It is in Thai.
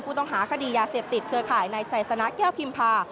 ผู้ต้องหาคดียาเสพติดเครือข่ายในสายสนักเกล้าพิมพา